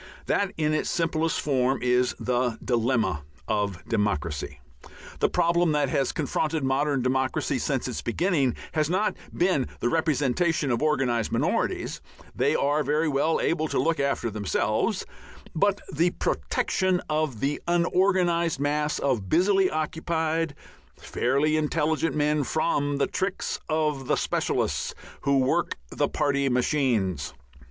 That in its simplest form is the dilemma of democracy. The problem that has confronted modern democracy since its beginning has not really been the representation of organized minorities they are very well able to look after themselves but _the protection of the unorganized mass of busily occupied, fairly intelligent men from the tricks of the specialists who work the party machines_.